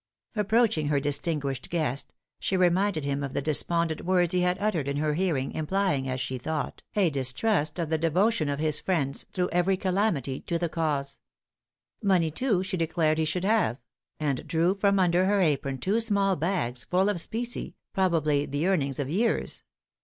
Approaching her distinguished guest, she reminded him of the despondent words he had uttered in her hearing, implying, as she thought, a distrust of the devotion of his friends, through every calamity, to the cause. Money, too, she declared he should have; and drew from under her apron two small bags full of specie, probably the earnings of years.